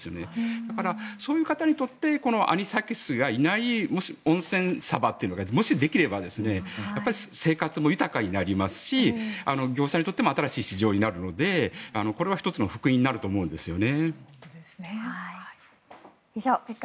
だから、そういう方にとってアニサキスがいない温泉サバというのがもしできれば生活も豊かになりますし業者にとっても新しい市場になるのでこれは１つの福音になると思うんですよね。